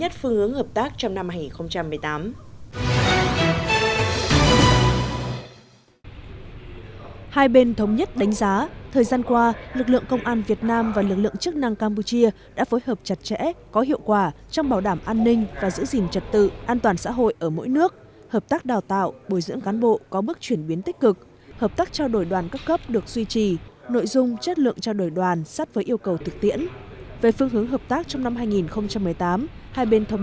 hai bên thống nhất đánh giá thời gian qua lực lượng công an việt nam và lực lượng chức năng campuchia đã phối hợp chặt chẽ có hiệu quả trong bảo đảm an ninh và giữ gìn trật tự an toàn xã hội ở mỗi nước hợp tác đào tạo bồi dưỡng cán bộ có mức chuyển biến tích cực hợp tác trao đổi đoàn cấp cấp được duy trì nội dung chất lượng trao đổi đoàn sát với yêu cầu thực tiễn